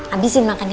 abisin makan ya